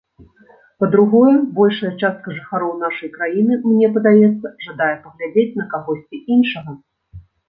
Па-другое, большая частка жыхароў нашай краіны, мне падаецца, жадае паглядзець на кагосьці іншага.